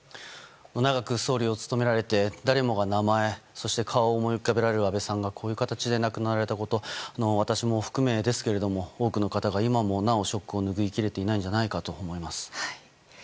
長く総理を務められて誰もが名前そして顔を思い浮かべられる安倍さんがこういう形で亡くなられたこと私も含め、多くの方が今もなおショックをぬぐい切れていないと思います。